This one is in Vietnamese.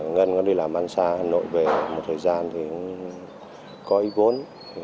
ngân đi làm ăn xà nội về một thời gian thì có ý vốn